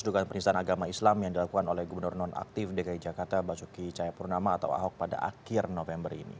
dugaan penistaan agama islam yang dilakukan oleh gubernur nonaktif dki jakarta basuki cahayapurnama atau ahok pada akhir november ini